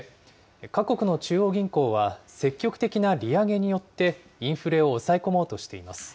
各国の中央銀行は、積極的な利上げによってインフレを抑え込もうとしています。